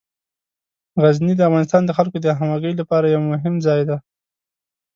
غزني د افغانستان د خلکو د همغږۍ لپاره یو مهم ځای دی.